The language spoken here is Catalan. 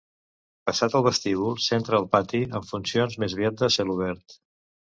Passat el vestíbul s'entra al pati, amb funcions més aviat de celobert.